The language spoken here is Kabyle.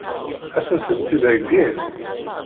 Ad sent-tent-id-heggin?